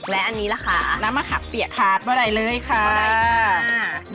และอันนี้ล่ะค่ะน้ำมะขามเปียกถาดเมื่อไหร่เลยค่ะก็ได้ค่ะ